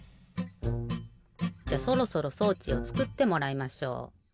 じゃそろそろ装置をつくってもらいましょう。